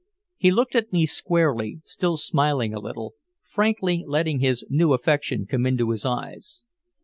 He looked at me squarely, still smiling a little, frankly letting his new affection come into his eyes.